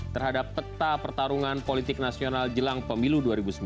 terhadap peta pertarungan politik nasional jelang pemilu dua ribu sembilan belas